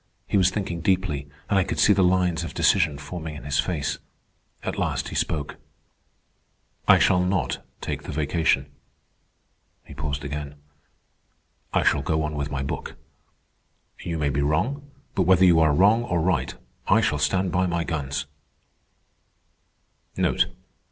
He was thinking deeply, and I could see the lines of decision forming in his face. At last he spoke. "I shall not take the vacation." He paused again. "I shall go on with my book. You may be wrong, but whether you are wrong or right, I shall stand by my guns."